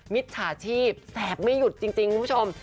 มิจฉาชีพแสบไม่หยุดจริงคุณผู้ชม